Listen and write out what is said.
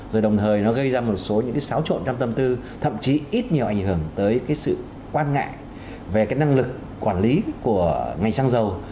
rồi đồng thời nó gây ra một số những xáo trộn trong tâm tư thậm chí ít nhiều ảnh hưởng tới cái sự quan ngại về cái năng lực quản lý của ngành xăng dầu